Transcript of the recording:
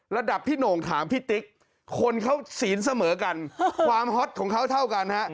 ระดับพี่โหน่งถามพี่ติ๊กคนเขาศีลเสมอกันความฮอตของเขาเท่ากันฮะ